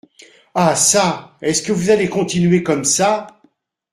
Ah çà ! est-ce que vous allez continuer comme ça ?…